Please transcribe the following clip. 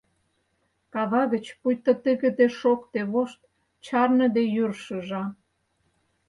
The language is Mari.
Кава гыч, пуйто тыгыде шокте вошт, чарныде йӱр шыжа.